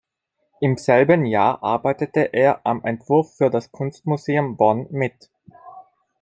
Im selben Jahr arbeitete er am Entwurf für das Kunstmuseum Bonn mit.